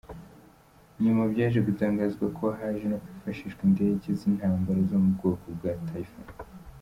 Nyuma byaje gutangazwa ko haje no kwifashishwa indege z’intambara zo mubwoko bwa Typhoon.